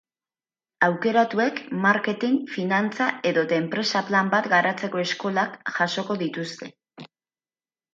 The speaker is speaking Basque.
Aukeratuek, marketing, finantza edota enpresa plan bat garatzeko eskolak jasoko dituzte.